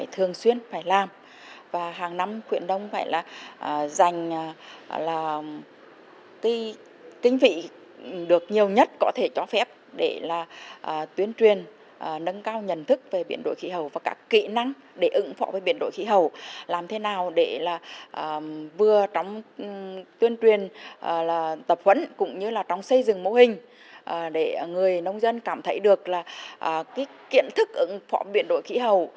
tuyên truyền tập huấn cũng như là xây dựng mô hình để người nông dân cảm thấy được kiện thức ứng phó biến đổi khí hậu